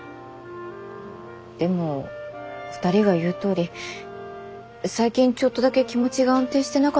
でも２人が言うとおり最近ちょっとだけ気持ちが安定してなかったのは事実だからね。